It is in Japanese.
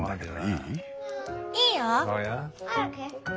いいよ。